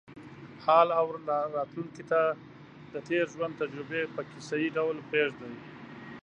حال او راتلونکې ته د تېر ژوند تجربې په کیسه یې ډول پرېږدي.